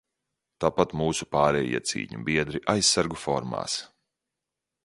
Tāpat mūsu pārējie cīņu biedri aizsargu formās.